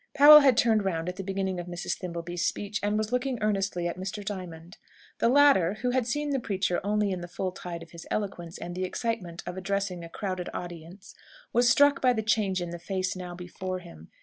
Powell had turned round at the beginning of Mrs. Thimbleby's speech, and was looking earnestly at Mr. Diamond. The latter, who had seen the preacher only in the full tide of his eloquence and the excitement of addressing a crowded audience, was struck by the change in the face now before him.